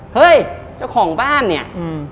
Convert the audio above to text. เฮ้ยเจ้าของบ้านเนี่ยอืม